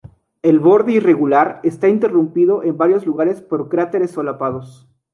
El borde irregular está interrumpido en varios lugares por cráteres solapados.